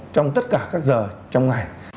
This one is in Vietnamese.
trong tất cả các giờ trong ngày